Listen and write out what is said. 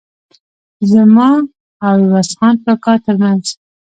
زما او عوض خان کاکا ترمنځ.